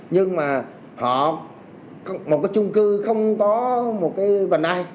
nhưng mà họ một cái chung cư không có một cái vành đai